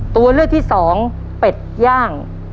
ตัวเลือกที่สองเป็ดย่าง